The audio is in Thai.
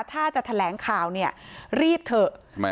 ถ้าจะแถลงข่าวเนี่ยรีบเถอะ